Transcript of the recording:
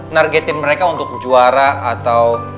targetin mereka untuk juara atau